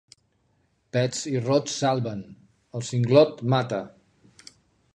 Pets i rots salven, el singlot mata.